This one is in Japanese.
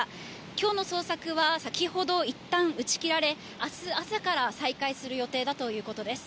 きょうの捜索は先ほど、いったん打ち切られ、あす朝から再開する予定だということです。